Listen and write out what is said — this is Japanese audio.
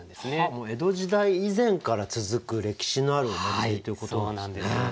もう江戸時代以前から続く歴史のあるお祭りということなんですね。